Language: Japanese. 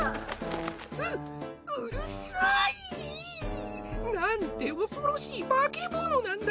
ううるさい！なんて恐ろしい化け物なんだ。